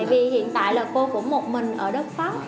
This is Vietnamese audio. vì hiện tại là cô của một mình ở đất pháp